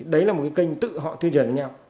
đấy là một cái kênh tự họ tuyên truyền với nhau